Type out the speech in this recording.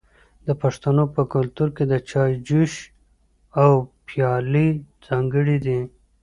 د پښتنو په کلتور کې د چای جوش او پیالې ځانګړي دي.